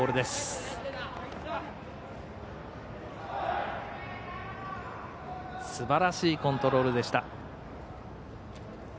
すばらしいコントロールでした。